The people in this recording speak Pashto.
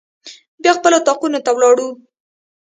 بیا خپلو اطاقونو ته ولاړو.